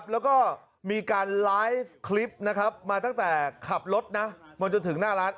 แล้วก็มีการไลฟ์คลิปนะครับมาตั้งแต่ขับรถนะมาจนถึงหน้าร้าน